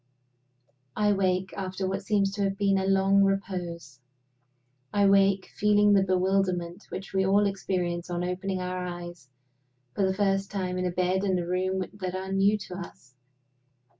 I wake, after what seems to have been a long repose I wake, feeling the bewilderment which we all experience on opening our eyes for the first time in a bed and a room that are new to us.